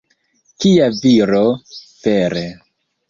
Kia viro, vere!